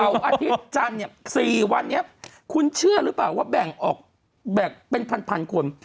อาทิตย์จันทร์เนี่ย๔วันนี้คุณเชื่อหรือเปล่าว่าแบ่งออกแบ่งเป็นพันคน